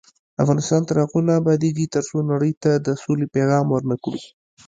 افغانستان تر هغو نه ابادیږي، ترڅو نړۍ ته د سولې پیغام ورنکړو.